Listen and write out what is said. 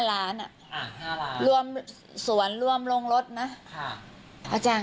ให้พวกสามฮาเวสีเข้ามาแล้วฉันตุ้ง